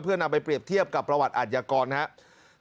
เพื่อนำไปเปรียบเทียบกับประวัติอาทยากรครับ